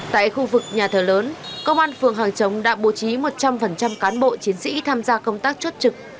tại khu vực nhà thờ lớn công an phường hàng chống đã bố trí một trăm linh cán bộ chiến sĩ tham gia công tác chốt trực